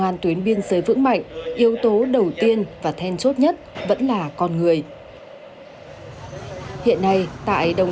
an tuyến biên giới vững mạnh yếu tố đầu tiên và then chốt nhất vẫn là con người hiện nay tại đồng